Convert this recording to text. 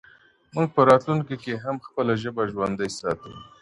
موږ په راتلونکي کي هم خپله ژبه ژوندۍ ساتو.